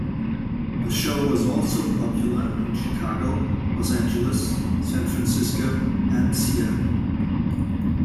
The show was also popular in Chicago, Los Angeles, San Francisco, and Seattle.